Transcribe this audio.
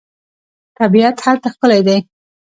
طبیعت هلته ښکلی دی.